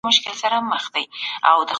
څوک چي کومه ميرمن د سفر لپاره غوره کړي.